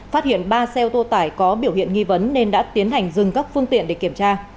phát hiện ba xe ô tô tải có biểu hiện nghi vấn nên đã tiến hành dừng các phương tiện để kiểm tra